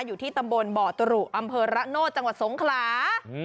อยู่ที่ตำบลบ่อตรุอำเภอระโนธจังหวัดสงขลา